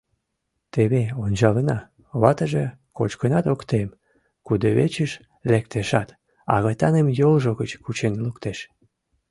— Теве ончалына, — ватыже кочкынат ок тем, кудывечыш лектешат, агытаным йолжо гыч кучен луктеш.